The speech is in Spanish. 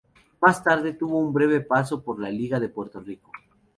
Más tarde, tuvo un breve paso por la liga de Puerto Rico.